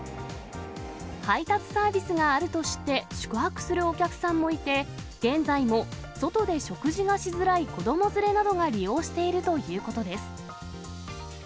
配達サービスがあると知って、宿泊するお客さんもいて、現在も外で食事がしづらい子ども連れなどが利用しているということです。